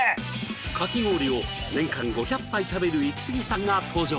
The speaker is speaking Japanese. かき氷を年間５００杯食べるイキスギさんが登場！